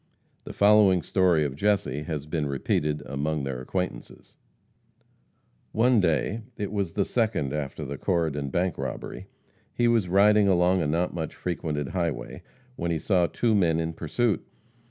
The following story of Jesse has been repeated among their acquaintances: One day it was the second after the Corydon bank robbery he was riding along a not much frequented highway, when he saw two men in pursuit.